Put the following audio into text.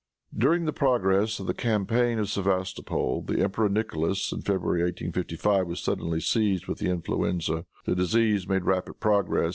During the progress of the campaign of Sevastopol, the emperor Nicholas, in February, 1855, was suddenly seized with the influenza. The disease made rapid progress.